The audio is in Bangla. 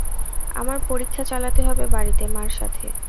আমার পরীক্ষা চালাতে হবে বাড়িতে, মার সাথে।